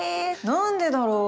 何でだろう？